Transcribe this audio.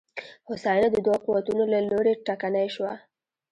هوساینه د دوو قوتونو له لوري ټکنۍ شوه.